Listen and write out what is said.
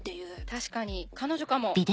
確かに彼女かも。